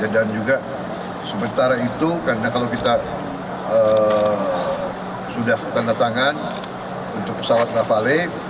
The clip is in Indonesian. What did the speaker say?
dan juga sementara itu karena kalau kita sudah tanda tangan untuk pesawat rafale